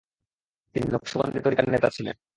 তিনি নকশবন্দি তরিকার নেতা ছিলেন।